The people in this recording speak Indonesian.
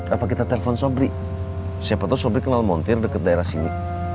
apa kita telepon sombri siapa tuh sobat kenal montir deket daerah sini